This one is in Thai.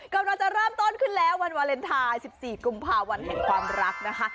กำลังจะเริ่มต้นขึ้นแล้ววันวาเลนไทย๑๔กุมภาวันแห่งความรักนะคะ